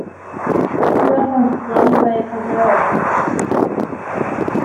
He was a long way from her.